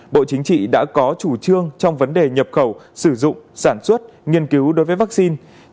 bộ chính trị đã có chủ trương trong vấn đề nhập khẩu sử dụng sản xuất nghiên cứu đối với vaccine